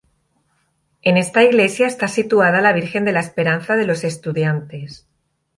En esta iglesia está situada la Virgen de la Esperanza de los estudiantes.